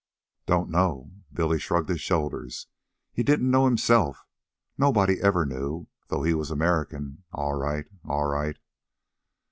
"Don't know." Billy shrugged his shoulders. "He didn't know himself. Nobody ever knew, though he was American, all right, all right."